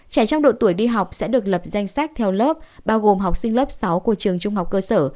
trẻ trong độ tuổi đi học sẽ được lập danh sách theo lớp bao gồm học sinh lớp sáu của trường trung học cơ sở